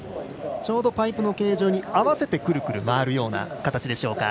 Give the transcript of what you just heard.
ちょうどパイプの形状に合わせてくるくる回る形。